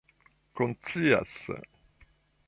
konscias